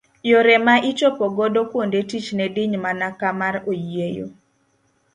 Yore mane ichopo godo kuonde tich ne diny mana ka mar oyieyo.